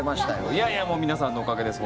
いやいや皆さんのおかげです。